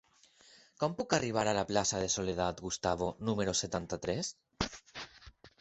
Com puc arribar a la plaça de Soledad Gustavo número setanta-tres?